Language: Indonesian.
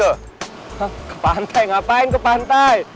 ke pantai ngapain ke pantai